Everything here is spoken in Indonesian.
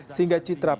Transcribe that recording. sehingga citra parlamen